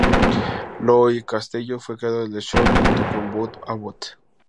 Lou Costello fue creador del show junto con Bud Abbott.